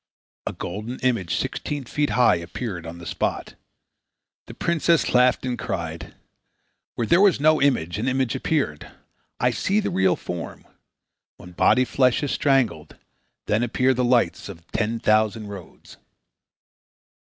A golden image sixteen feet high appeared on the spot. The princess laughed and cried: "Where there was no image, an image appeared. I see the real form. When body flesh is strangled, then appear the lights of ten thousand roads."